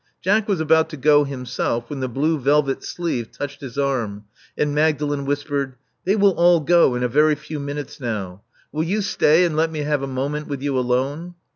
Jack was about to go himself when the blue velvet sleeve touched his arm, and Magdalen whispered: They will all go in a very few minutes now. Will you stay and let me have a moment with you alone?